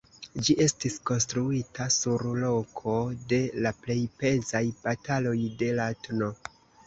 Ĝi estis konstruita sur loko de la plej pezaj bataloj de la tn.